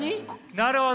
なるほど。